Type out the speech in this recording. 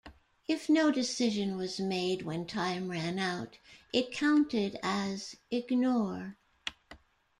If no decision was made when time ran out, it counted as "Ignore".